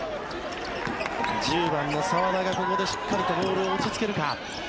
１０番の澤田がしっかりとボールを落ち着けるか。